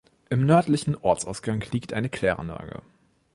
Am nördlichen Ortsausgang liegt eine Kläranlage.